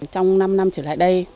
trong năm năm trở lại đây